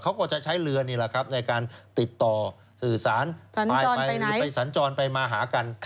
เขาก็จะใช้เรือในการติดต่อสื่อสารสัญจรไปแล้วมาหากัน